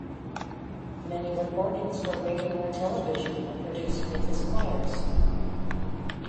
Many recordings for radio and television were produced with his choirs.